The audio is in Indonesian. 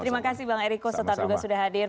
terima kasih bang ericko setelah juga sudah hadir